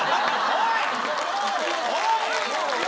おい！